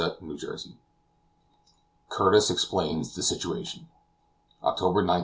CHAPTER IX CURTIS EXPLAINS THE SITUATION OCTOBER 19.